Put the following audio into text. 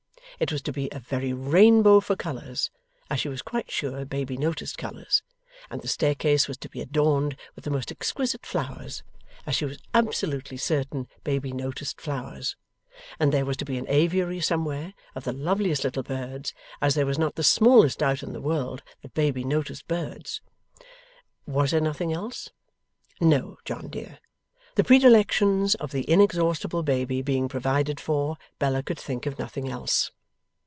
It was to be 'a very rainbow for colours', as she was quite sure baby noticed colours; and the staircase was to be adorned with the most exquisite flowers, as she was absolutely certain baby noticed flowers; and there was to be an aviary somewhere, of the loveliest little birds, as there was not the smallest doubt in the world that baby noticed birds. Was there nothing else? No, John dear. The predilections of the inexhaustible baby being provided for, Bella could think of nothing else.